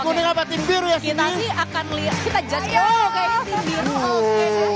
kita sih akan lihat kita judge aja oke